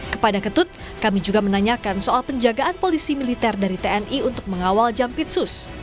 kepada ketut kami juga menanyakan soal penjagaan polisi militer dari tni untuk mengawal jampitsus